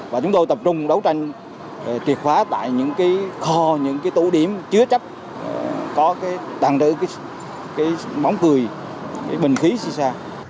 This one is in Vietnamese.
và chúng tôi tập trung đấu tranh triệt khóa tại những cái kho những cái tụ điểm chứa chấp có cái tăng trữ cái bóng cười cái bình khí si sa